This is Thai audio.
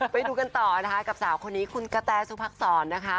ไปดูกันต่อนะคะกับสาวคนนี้คุณกะแตสุพักษรนะคะ